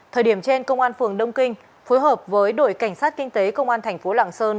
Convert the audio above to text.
thời điểm trên công an phường đông kinh phối hợp với đội cảnh sát kinh tế công an thành phố lạng sơn